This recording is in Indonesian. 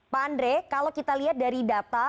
pak andre kalau kita lihat dari data